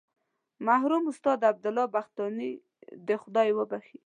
مرحوم استاد عبدالله بختانی دې خدای وبخښي.